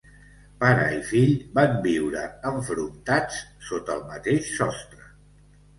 Pare i fill van viure enfrontats sota el mateix sostre!